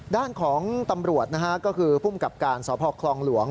ด้านของตำรวจนะฮะก็คือภูมิกับการสพคลองหลวง